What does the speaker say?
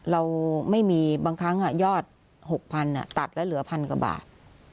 เราไม่มีบางครั้งยอด๖๐๐ตัดแล้วเหลือพันกว่าบาท